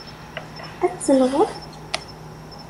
Ad t-tenɣeḍ?